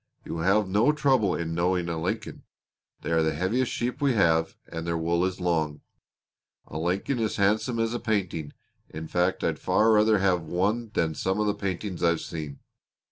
You will have no trouble in knowing a Lincoln. They are the heaviest sheep we have, and their wool is long. A Lincoln is handsome as a painting; in fact I'd far rather have one than some of the paintings I've seen.